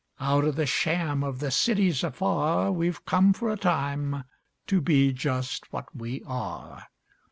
Out of the sham of the cities afar We've come for a time to be just what we are.